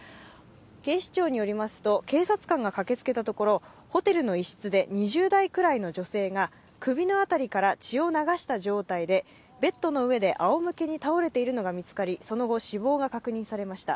警視庁によりますと、警察官が駆けつけたところ、ホテルの一室で２０代くらいの女性が首の辺りから血を流した状態でベッドの上であおむけに倒れているのが見つかりその後、死亡が確認されました。